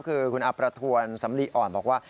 คือคุณอาประทวนสำลีอ่อนบอกว่า